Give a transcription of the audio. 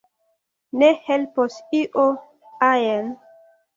Ne helpos io ajn.